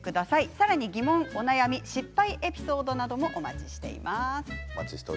さらに疑問、お悩み失敗エピソードなどもお待ちしています。